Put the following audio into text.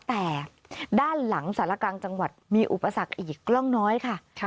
แต่ด้านหลังสารกลางจังหวัดมีอุปสรรคอีกกล้องน้อยค่ะ